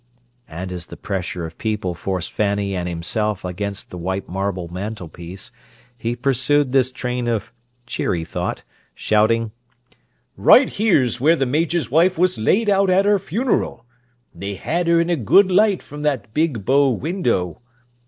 And, as the pressure of people forced Fanny and himself against the white marble mantelpiece, he pursued this train of cheery thought, shouting, "Right here's where the Major's wife was laid out at her funeral. They had her in a good light from that big bow window."